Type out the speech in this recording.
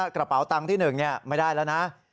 กระเป๋าตังค์ที่๑ไม่ได้แล้วนะ